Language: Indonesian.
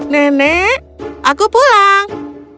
nenek aku pulang